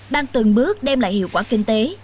đang từng bước đem lại hiệu quả kinh tế